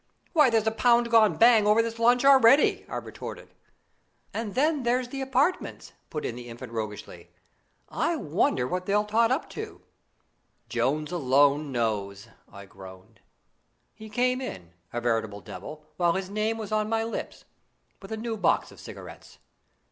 "Why, there's a pound gone bang over this lunch already!" I retorted. "And then there's the apartments," put in the Infant roguishly. "I wonder what they'll tot up to?" "Jones alone knows," I groaned. He came in a veritable devil while his name was on my lips, with a new box of cigarettes.